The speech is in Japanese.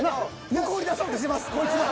向こうに出そうとしてますこいつが。